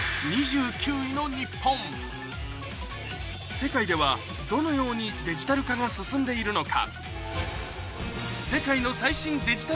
世界ではどのようにデジタル化が進んでいるのか？